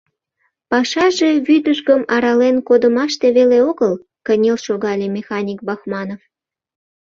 — Пашаже вӱдыжгым арален кодымаште веле огыл, — кынел шогале механик Бахманов.